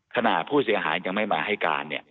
ขณะผู้เสียหายยังไม่มาให้การ